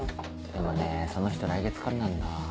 でもねその人来月からなんだ。